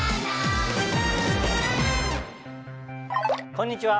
こんにちは